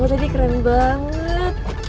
kamu tadi keren banget